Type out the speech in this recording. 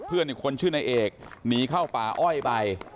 เพื่อนอีกคนชื่อนายเอกหนีเข้าป่าอ้อยไป